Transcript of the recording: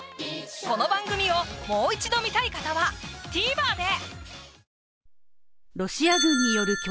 この番組をもう一度観たい方はＴＶｅｒで！